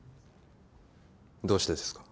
どうしてですか？